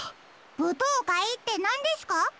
ぶとうかいってなんですか？